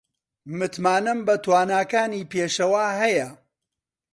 متمانەم بە تواناکانی پێشەوا هەیە.